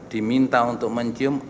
diminta untuk mencium